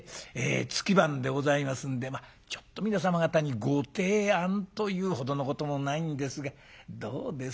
月番でございますんでちょっと皆様方にご提案というほどのこともないんですがどうです？